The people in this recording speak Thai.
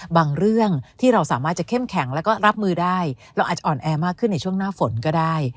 เรื่องที่เราสามารถจะเข้มแข็งแล้วก็รับมือได้เราอาจจะอ่อนแอมากขึ้นในช่วงหน้าฝนก็ได้